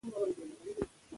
دا ټوټه اوس په لوښي کې ده.